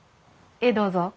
ええどうぞ。